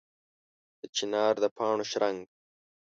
د چنار د پاڼو شرنګ